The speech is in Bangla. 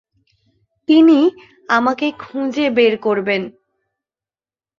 তিনি আমাকে খুঁজে বের করবেন।